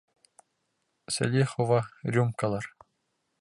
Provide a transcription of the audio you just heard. Сәлихова, рюмкалар!